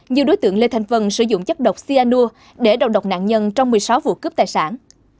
như đối tượng lê thanh vân sử dụng chất độc cyanur để đầu độc nạn nhân trong một mươi sáu vụ cướp tài sản